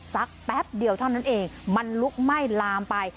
แป๊บเดียวเท่านั้นเองมันลุกไหม้ลามไป